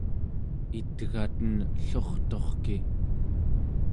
it'gaten ellurturki!